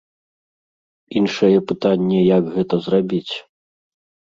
Іншае пытанне, як гэта зрабіць.